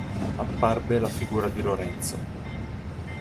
Apparve la figura di Lorenzo.